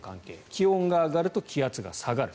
気温が上がると気圧が下がる。